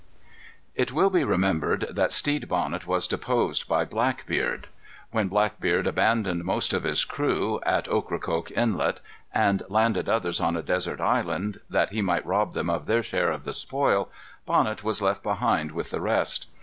It will be remembered that Stede Bonnet was deposed by Blackbeard. When Blackbeard abandoned most of his crew, at Ocracoke Inlet, and landed others on a desert island, that he might rob them of their share of the spoil, Bonnet was left behind with the rest.